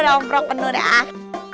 romprok penuh dah